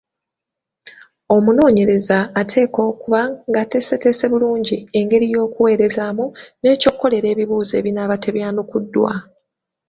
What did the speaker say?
Omunoonyereza ateekwa okuba ng’ateeseteese bulungi engeri y’okuweerezaamu n’ekyokukolera ebibuuzo ebinaaba bitaanukuddwa.